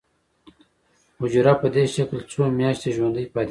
حجره په دې شکل څو میاشتې ژوندی پاتې کیږي.